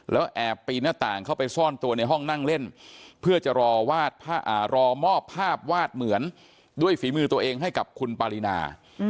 แล้วแอบปีนหน้าต่างเข้าไปซ่อนตัวในห้องนั่งเล่นเพื่อจะรอมอบภาพวาดเหมือนด้วยฝีมือตัวเองให้กับคุณปารีนา